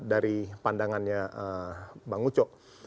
dari pandangannya bang ucok